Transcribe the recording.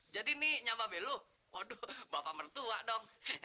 jadi nih nyoba belu waduh bapak mertua dong